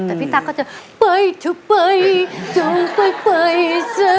แต่พี่ตักก็จะไปเถอะไปเถอะไปไปซะ